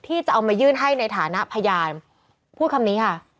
ที่จะเอามายื่นให้ในฐานะพยานพูดคำนี้ค่ะ